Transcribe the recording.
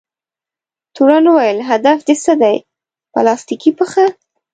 تورن وویل: هدف دې څه دی؟ پلاستیکي پښه؟